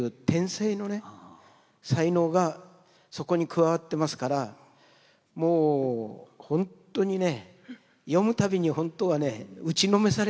才能がそこに加わってますからもう本当にね読む度に本当はね打ちのめされるんです。